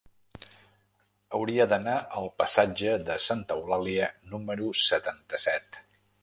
Hauria d'anar al passatge de Santa Eulàlia número setanta-set.